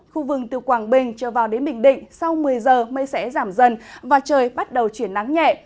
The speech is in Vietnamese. khu vực từ quảng bình trở vào đến bình định sau một mươi giờ mây sẽ giảm dần và trời bắt đầu chuyển nắng nhẹ